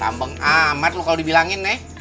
tambeng amat lo kalau dibilangin nih